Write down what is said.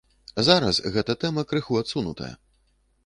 Зараз гэта тэма крыху адсунутая.